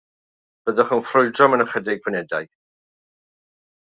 Byddwch yn ffrwydro mewn ychydig funudau.